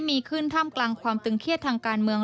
มีขึ้นท่ามกลางความตึงเครียดทางการเมือง